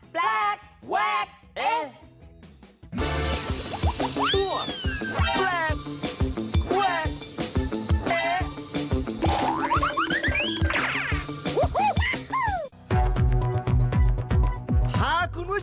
แปลกแวกเอ